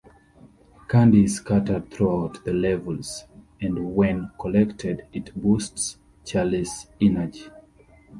Candy is scattered throughout the levels and when collected it boosts Charlie's energy.